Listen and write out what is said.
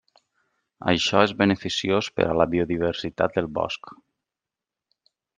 Això és beneficiós per a la biodiversitat del bosc.